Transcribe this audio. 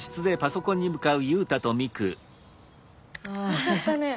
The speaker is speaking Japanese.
よかったね。